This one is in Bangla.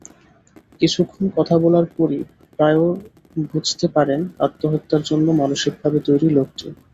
কিছুক্ষণ কথা বলার পরই প্রায়র বুঝতে পারেন আত্মহত্যার জন্য মানসিকভাবে তৈরি লোকটি।